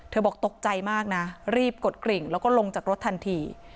บอกตกใจมากนะรีบกดกริ่งแล้วก็ลงจากรถทันที